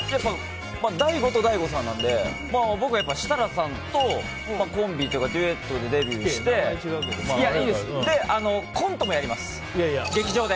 大吾と大悟さんなので僕はやっぱり設楽さんとコンビというかデュエットでデビューしてで、コントもやります、劇場で。